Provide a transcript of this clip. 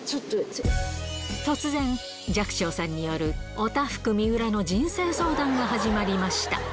突然、寂聴さんによるおたふく水卜の人生相談が始まりました。